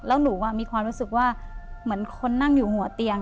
แล้วหนูมีความรู้สึกว่าเหมือนคนนั่งอยู่หัวเตียง